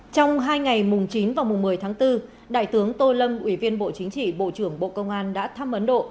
trong hai ngày mùng chín và mùng một mươi tháng bốn đại tướng tô lâm ủy viên bộ chính trị bộ trưởng bộ công an đã thăm ấn độ